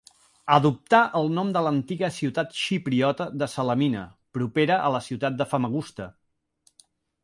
Adoptà el nom de l'antiga ciutat xipriota de Salamina, propera a la ciutat de Famagusta.